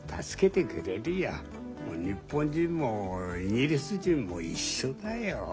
日本人もイギリス人も一緒だよ。